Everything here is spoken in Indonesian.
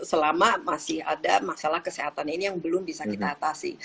selama masih ada masalah kesehatan ini yang belum bisa kita atasi